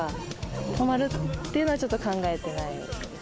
泊まるっていうのはちょっと考え